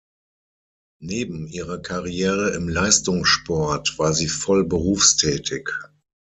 Neben ihrer Karriere im Leistungssport war sie voll berufstätig.